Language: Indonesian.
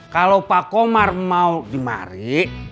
kalo pak kumar mau dimari